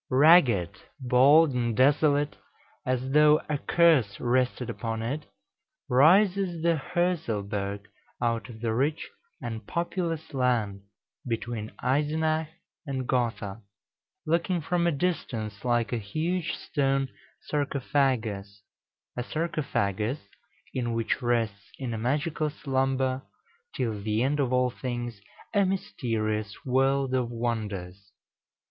Ragged, bald, and desolate, as though a curse rested upon it, rises the Hörselberg out of the rich and populous land between Eisenach and Gotha, looking, from a distance, like a huge stone sarcophagus a sarcophagus in which rests in magical slumber, till the end of all things, a mysterious world of wonders.